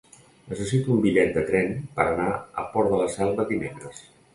Necessito un bitllet de tren per anar al Port de la Selva dimecres.